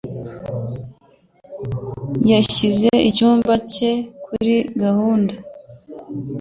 Yashyize icyumba cye kuri gahunda.